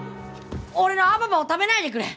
俺のアババを食べないでくれ！